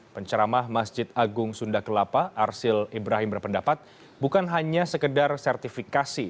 penceramah masjid agung sunda kelapa arsil ibrahim berpendapat bukan hanya sekedar sertifikasi